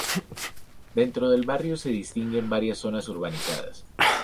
Dentro del barrio se distinguen varias zonas urbanizadas.